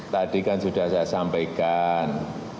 tadi kan sudah saya sampaikan